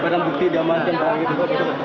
badan bukti damankan pak